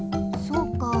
そうか。